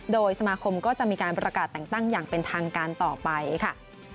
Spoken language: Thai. โดยสมาคมก็จะมีการประกาศแต่งตั้งอย่างเป็นทางการต่อไปค่ะ